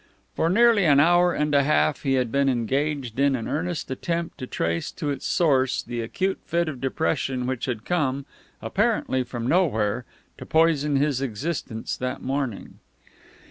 For nearly an hour and a half he had been engaged in an earnest attempt to trace to its source the acute fit of depression which had come apparently from nowhere to poison his existence that morning.